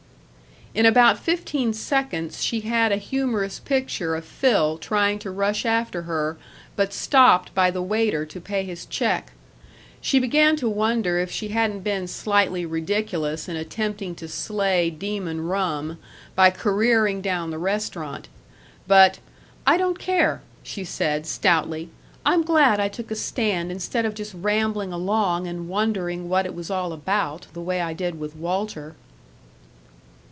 In about fifteen seconds she had a humorous picture of Phil trying to rush after her, but stopped by the waiter to pay his check. She began to wonder if she hadn't been slightly ridiculous in attempting to slay Demon Rum by careering down the restaurant. But "I don't care!" she said, stoutly. "I'm glad I took a stand instead of just rambling along and wondering what it was all about, the way I did with Walter."